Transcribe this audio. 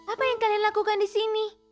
apa yang kalian lakukan disini